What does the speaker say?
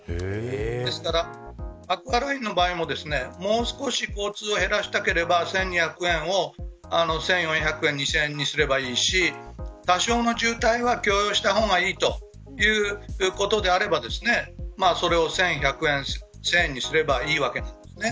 ですからアクアラインの場合ももう少し交通を減らしたければ１２００円を１４００円や２０００円にすればいいし多少の渋滞は許容した方がいいということであればそれを１１００円や１０００円にすればいいわけです。